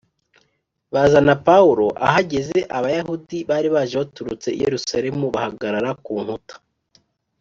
Bazana pawulo ahageze abayahudi bari baje baturutse i yerusalemu bahagarara ku nkuta